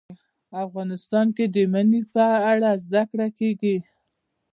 افغانستان کې د منی په اړه زده کړه کېږي.